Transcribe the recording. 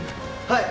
はい！